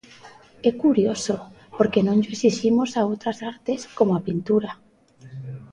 É curioso, porque non llo exiximos a outras artes como a pintura.